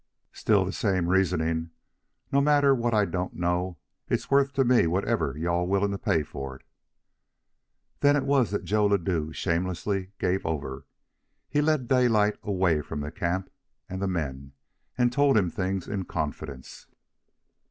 "Still the same reasoning. No matter what I don't know, it's worth to me whatever you all are willing to pay for it." Then it was that Joe Ladue shamelessly gave over. He led Daylight away from the camp and men and told him things in confidence.